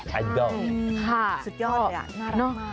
สุดยอดเลยน่ารักมาก